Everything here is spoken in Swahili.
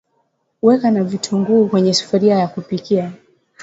weka na vitunguu kwenye sufuria ya kupikia